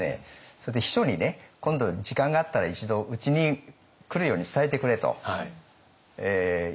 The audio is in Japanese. それで秘書にね今度時間があったら一度うちに来るように伝えてくれと言うわけです。